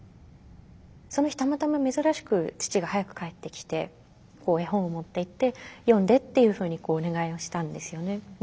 その日たまたま珍しく父が早く帰ってきて絵本を持っていって読んでっていうふうにお願いをしたんですよね。